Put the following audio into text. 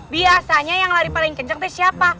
biasanya yang lari paling kenceng teh siapa